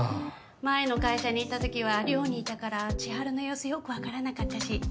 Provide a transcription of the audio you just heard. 前の会社にいたときは寮にいたから千晴の様子よくわからなかったし。